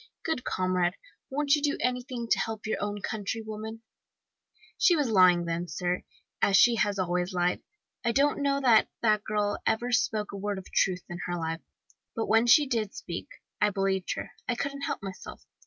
Good comrade, won't you do anything to help your own countrywoman?' * Field, garden. Bravos, boasters. "She was lying then, sir, as she has always lied. I don't know that that girl ever spoke a word of truth in her life, but when she did speak, I believed her I couldn't help myself.